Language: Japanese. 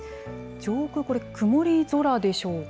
上空、これ曇り空でしょうか。